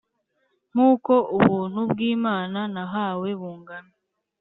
Nk uko ubuntu bw Imana nahawe bungana